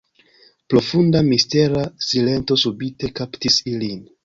Profunda, mistera silento subite kaptis ilin.